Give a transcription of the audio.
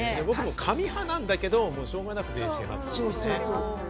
僕も紙派なんだけど、しょうがなくっていうね。